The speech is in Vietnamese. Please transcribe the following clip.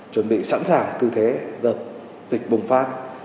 chuẩn bị sẵn sàng tư thế đợt dịch bùng phát